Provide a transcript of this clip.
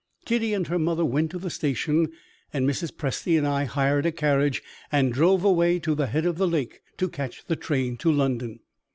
Kitty and her mother went to the station, and Mrs. Presty and I hired a carriage, and drove away to the head of the lake, to catch the train to London.